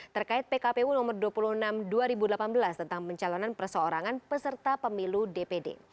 terkait pkpu nomor dua puluh enam dua ribu delapan belas tentang pencalonan perseorangan peserta pemilu dpd